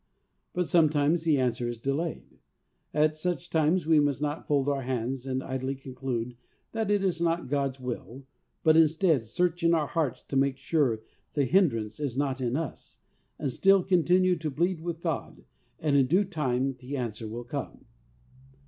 But sometimes the answer is delayed. At such times we must not fold our hands and idly conclude that it is not God's will, but instead, search in our hearts to make sure the hindrance is not in us, and still continue to plead with God, and in due time the answer will come.